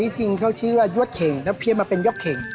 จริงเขาชื่อว่ายกเข่งแล้วเพี้ยนมาเป็นยกเข่ง